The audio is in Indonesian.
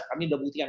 kami sudah buktikan